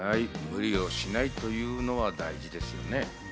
無理をしないというのは大事ですね。